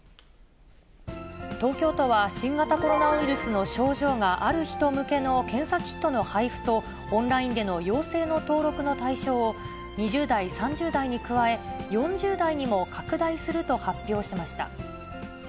東京都は、新型コロナウイルスの症状がある人向けの検査キットの配付と、オンラインでの陽性の登録の対象を、２０代、３０代に加え、４０代にも拡大すると発表しました。